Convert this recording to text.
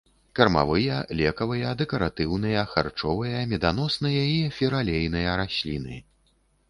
Кармавыя, лекавыя, дэкаратыўныя, харчовыя, меданосныя і эфіраалейныя расліны.